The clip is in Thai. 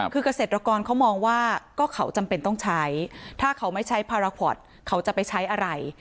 คือเกษตรกรเขามองว่าก็เขาจำเป็นต้องใช้ถ้าเขาไม่ใช้พาราพอร์ตเขาจะไปใช้อะไร